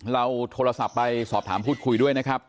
เราโทรศัพท์ไปสอบถามพูดคุยด้วยนะครับ